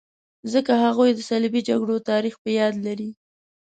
ځکه هغوی د صلیبي جګړو تاریخ په یاد لري.